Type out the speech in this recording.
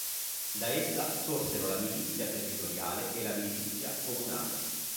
Da essa sorsero la milizia territoriale e la milizia comunale.